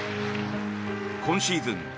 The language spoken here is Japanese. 今シーズン